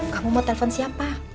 kamu mau telepon siapa